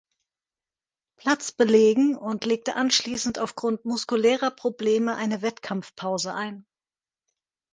Platz belegen und legte anschließend aufgrund muskulärer Probleme eine Wettkampfpause ein.